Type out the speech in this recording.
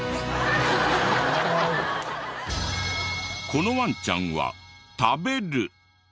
このワンちゃんは「食べる」と。